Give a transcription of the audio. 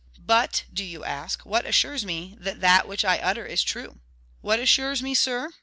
But, do you ask, what assures me that that which I utter is true? What assures me, sir?